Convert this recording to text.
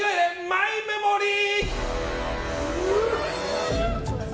マイメモリー！